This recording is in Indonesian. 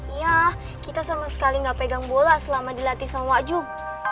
iya kita sama sekali gak pegang bola selama dilatih sama wajum